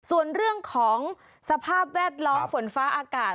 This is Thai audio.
ส่วนเรื่องของสภาพแวดล้อมฝนฟ้าอากาศ